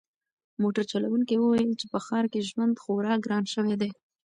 موټر چلونکي وویل چې په ښار کې ژوند خورا ګران شوی دی.